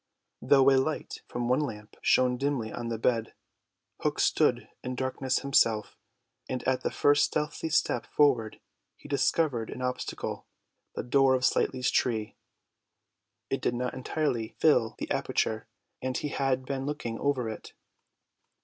Though a light from the one lamp shone dimly on the bed, Hook stood in darkness himself, and at the first stealthy step forward he discovered an obstacle, the door of Slightly's tree. It did not entirely fill the aperture, and he had been looking over it.